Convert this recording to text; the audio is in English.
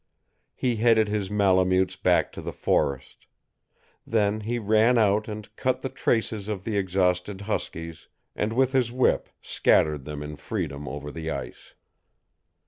He headed his Malemutes back to the forest. Then he ran out and cut the traces of the exhausted huskies, and with his whip scattered them in freedom over the ice.